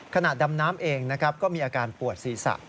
ขณะดำน้ำเองก็มีอาการปวดศีรษะ